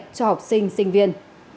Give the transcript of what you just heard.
cho học sinh sinh viên